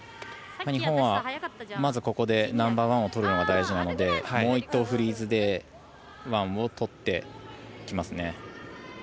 日本はまずここでナンバーワンをとるのが大事なのでもう１投、フリーズでワンをとってきます。